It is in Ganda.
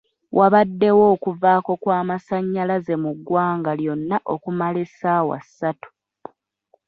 Wabaddewo okuvaako kw'amasannyalaze mu ggwanga lyonna okumala essaawa ssatu.